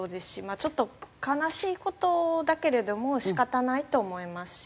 あちょっと悲しい事だけれども仕方ないと思いますし。